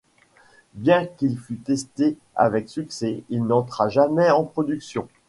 Bien qu'il fut testé avec succès, il n'entra jamais en production.